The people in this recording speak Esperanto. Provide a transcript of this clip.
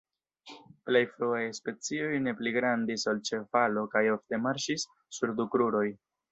Plej fruaj specioj ne pli grandis ol ĉevalo kaj ofte marŝis sur du kruroj.